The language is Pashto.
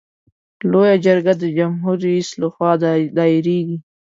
لویه جرګه د جمهور رئیس له خوا دایریږي.